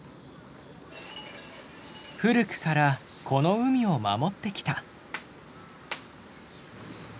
古くからこの海を守ってきた。